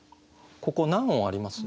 ここ何音あります？